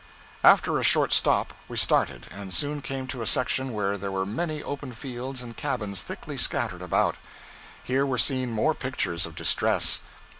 After a short stop we started, and soon came to a section where there were many open fields and cabins thickly scattered about. Here were seen more pictures of distress.